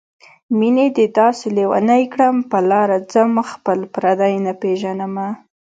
مينې دې داسې لېونی کړم په لاره ځم خپل او پردي نه پېژنمه